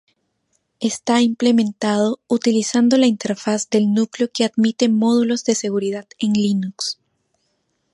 Está implementado utilizando la interfaz del núcleo que admite Módulos de Seguridad en Linux.